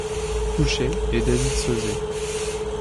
Couchet, et David Sauzay.